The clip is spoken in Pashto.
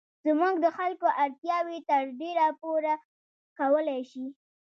زموږ د خلکو اړتیاوې تر ډېره پوره کولای شي.